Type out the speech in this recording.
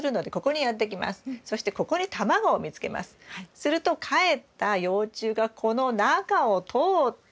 するとかえった幼虫がこの中を通って。